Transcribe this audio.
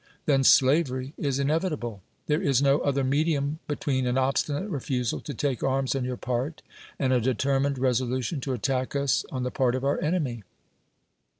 Then slavery is inevita])le. 'Inhere is no other mediuju between an ohstinate refusal to take arms on your ]>art, and a detei'niitu'd res olution to attack' us on the piwt of our enemy.